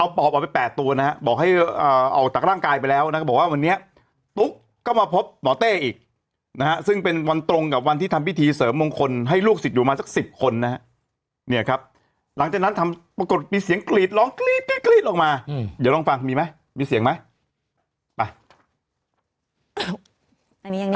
ปอบออกไป๘ตัวนะฮะบอกให้ออกจากร่างกายไปแล้วนะครับบอกว่าวันนี้ตุ๊กก็มาพบหมอเต้อีกนะฮะซึ่งเป็นวันตรงกับวันที่ทำพิธีเสริมมงคลให้ลูกศิษย์อยู่มาสัก๑๐คนนะฮะเนี่ยครับหลังจากนั้นทำปรากฏมีเสียงกรีดร้องกรี๊ดกรี๊ดออกมาเดี๋ยวลองฟังมีไหมมีเสียงไหมไป